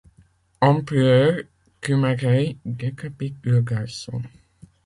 En pleurent, Kumagai décapite le garçon.